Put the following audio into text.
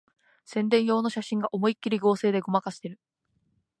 宣伝用の写真が思いっきり合成でごまかしてる